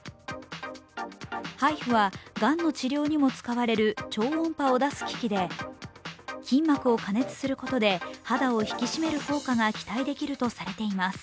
ＨＩＦＵはがんの治療にも使われる超音波を出す機器で筋膜を加熱することで肌を引き締める効果が期待できるとされています。